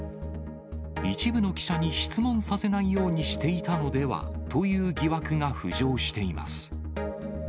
一部の記者に質問させないようにしていたのではという疑惑が浮上しています。